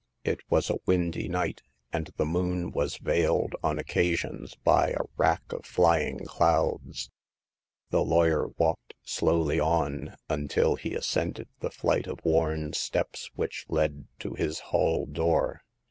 It was a windy night, and the moon was veiled on occasions by a rack oi hying clouds. The lawyer walked slowly on, The Passing of Hagar. 291 until he ascended the flight of worn steps which led to his hall door.